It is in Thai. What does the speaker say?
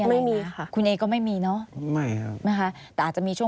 ไม่ค่ะเพราะว่าอันตรา๓แล้ว